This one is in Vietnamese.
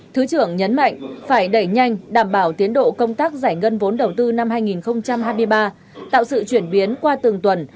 thứ trưởng nhấn mạnh phải đẩy nhanh đảm bảo tiến độ công tác giải ngân vốn đầu tư năm hai nghìn hai mươi ba tạo sự chuyển biến qua từng tuần